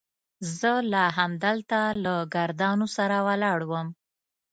زه لا همدلته له ګاردانو سره ولاړ وم.